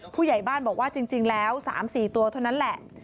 ผู้ใหญ่บ้านบอกว่าจริงแล้ว๓๔ตัวเท่านั้นแหละ